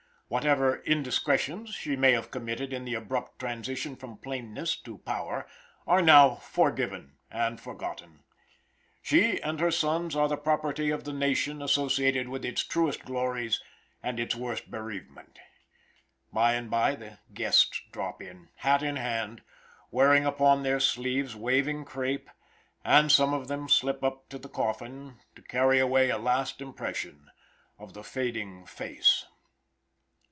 Whatever indiscretions she may have committed in the abrupt transition from plainness to power are now forgiven and forgotten. She and her sons are the property of the nation associated with its truest glories and its worst bereavement. By and by the guests drop in, hat in hand, wearing upon their sleeves waving crape; and some of them slip up to the coffin to carry away a last impression of the fading face.